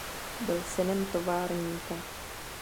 Byl synem továrníka.